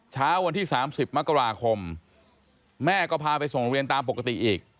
เช้าวันที่๓๐มกราคมแม่ก็พาไปส่งโรงเรียนตามปกติอีก